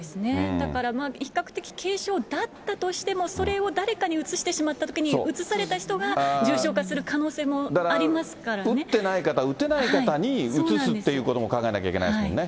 だから比較的軽症だったとしても、それを誰かにうつしてしまったときに、うつされた人が重症化する打ってない方、打てない方にうつすっていうことも考えなきゃいけないですもんね。